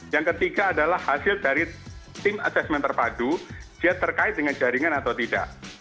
yang ketiga adalah hasil dari tim asesmen terpadu dia terkait dengan jaringan atau tidak